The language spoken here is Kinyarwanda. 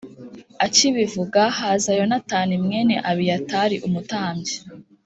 Akibivuga haza Yonatani mwene Abiyatari umutambyi